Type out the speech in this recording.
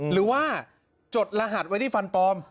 หรือว่าจดรหัสไว้ที่ฟันปลอม